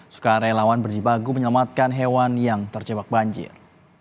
sukarelawan berjibagu menyelamatkan hewan yang terjebak banjir